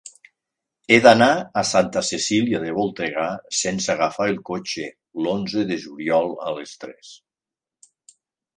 He d'anar a Santa Cecília de Voltregà sense agafar el cotxe l'onze de juliol a les tres.